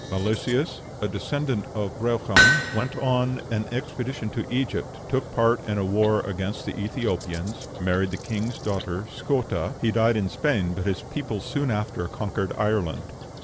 Milesius, a descendant of Breogan, went on an expedition to Egypt, took part in a war against the Ethiopians, married the king's daughter, Scota: he died in Spain, but his people soon after conquered Ireland.